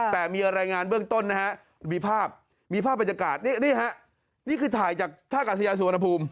แต่มีรายงานเบื้องต้นนะฮะมีภาพมีภาพบรรยากาศนี่ฮะนี่คือถ่ายจากท่ากาศยาสุวรรณภูมิ